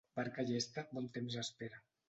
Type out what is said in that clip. Barca llesta bon temps espera.